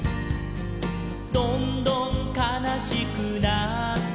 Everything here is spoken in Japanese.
「どんどんかなしくなって」